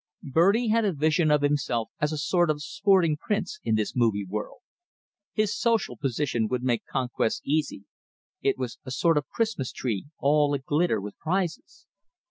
Bertie had a vision of himself as a sort of sporting prince in this movie world. His social position would make conquests easy; it was a sort of Christmas tree, all a glitter with prizes.